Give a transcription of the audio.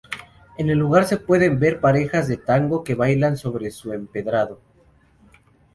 En el lugar se pueden ver parejas de tango que bailan sobre su empedrado.